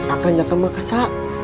akan jangan maksa